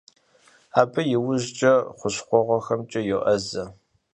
Абы иужькӀэ хущхъуэгъуэхэмкӀэ йоӀэзэ.